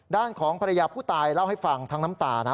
ด้านของภรรยาผู้ตายเล่าให้ฟังทั้งน้ำตานะ